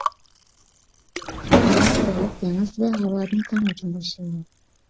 شۇنىڭ بىلەن، قۇرۇقلۇق، دېڭىز ۋە ھاۋادىن تەڭ ھۇجۇم باشلىدى.